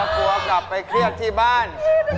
กลัวกลับไปเครียดที่บ้าน